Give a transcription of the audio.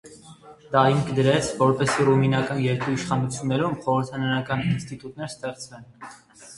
Դա հիմք դրեց, որպեսզի ռումինական երկու իշխանություններում խորհրդարանական ինստիտուտներ ստեղծվեն։